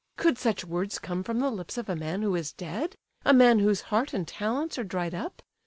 Could such words come from the lips of a man who is dead?—a man whose heart and talents are dried up?